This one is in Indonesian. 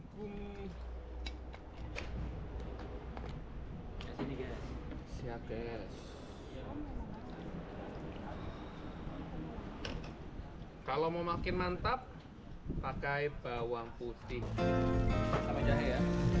kalau mau makin mantap pakai bawang putih ya